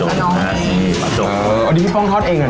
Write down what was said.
หนูทำไม่ยากเลยเนาะ